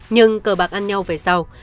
nhưng cờ bạc ăn nhau về sau